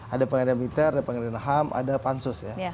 ada pengadilan militer ada pengadilan ham ada pansus ya